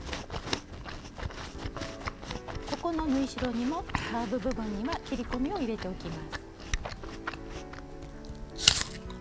ここの縫い代にもカーブ部分には切り込みを入れておきます。